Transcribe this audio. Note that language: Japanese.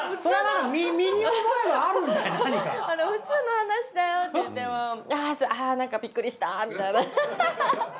普通の話だよって言ってもあなんかびっくりしたみたいな。